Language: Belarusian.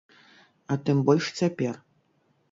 А тым больш цяпер.